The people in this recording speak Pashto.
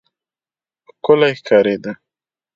ښکلی ښکارېده.